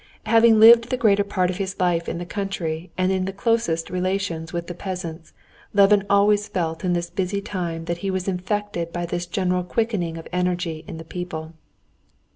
Having lived the greater part of his life in the country and in the closest relations with the peasants, Levin always felt in this busy time that he was infected by this general quickening of energy in the people.